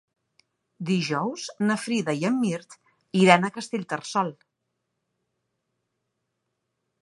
Dijous na Frida i en Mirt iran a Castellterçol.